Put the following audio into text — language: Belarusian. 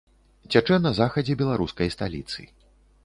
Цячэ на захадзе беларускай сталіцы.